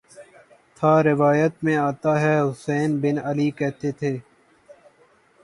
تھا روایات میں آتا ہے حسین بن علی کہتے تھے